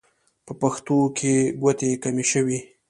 په پښتنو کې ګوتې کمې شوې.